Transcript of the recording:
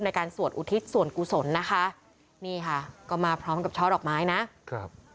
สวดอุทิศส่วนกุศลนะคะนี่ค่ะก็มาพร้อมกับช่อดอกไม้นะครับ